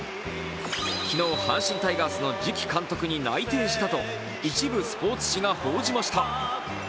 昨日、阪神タイガースの次期監督に内定したと一部スポーツ紙が報じました。